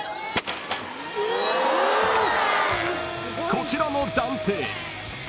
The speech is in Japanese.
［こちらの男性］